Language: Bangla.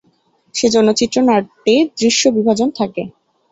সে জন্য চিত্রনাট্যে দৃশ্য বিভাজন থাকে।